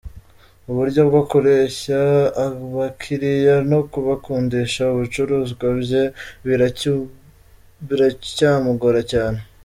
Uburyo bwo kureshya abakiriya no kubakundisha ibicuruzwa bye biracyamugora cyane.